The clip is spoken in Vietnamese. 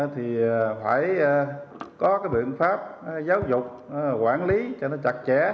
thì phải có cái biện pháp giáo dục quản lý cho nó chặt chẽ